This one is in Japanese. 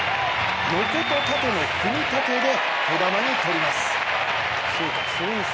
横と縦の組み立てで手玉に取ります。